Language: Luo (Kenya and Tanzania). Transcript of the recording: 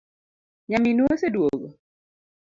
Nyaminu oseduogo?'